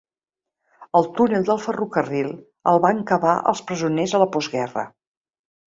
El túnel del ferrocarril el van cavar els presoners a la postguerra.